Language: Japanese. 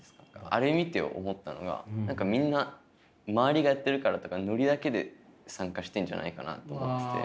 あれ見て思ったのがみんな周りがやってるからとかノリだけで参加してんじゃないかなと思ってて。